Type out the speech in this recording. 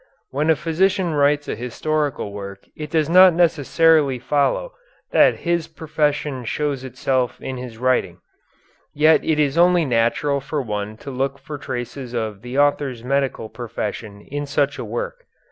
When a physician writes a historical work it does not necessarily follow that his profession shows itself in his writing; yet it is only natural for one to look for traces of the author's medical profession in such a work.